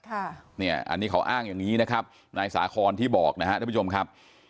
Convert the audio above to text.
อันนี้เขาอ้างอย่างนี้นะครับนายสาคอนที่บอกนะครับท่านผู้ชมครับ